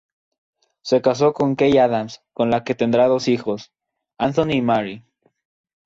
Se casa con Kay Adams, con la que tendrá dos hijos: Anthony y Mary.